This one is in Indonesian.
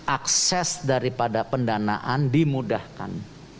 akses daripada pendanaan dimudahkan